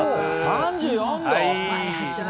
３４度？